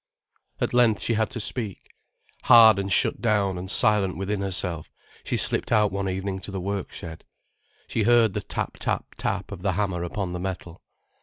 At length she had to speak. Hard and shut down and silent within herself, she slipped out one evening to the workshed. She heard the tap tap tap of the hammer upon the metal.